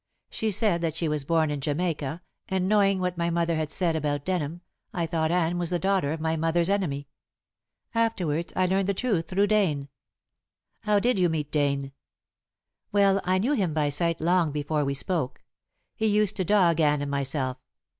She said that she was born in Jamaica, and, knowing what my mother had said about Denham, I thought Anne was the daughter of my mother's enemy. Afterwards I learned the truth through Dane." "How did you meet Dane?" "Well, I knew him by sight long before we spoke. He used to dog Anne and myself.